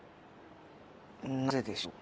なぜでしょうか？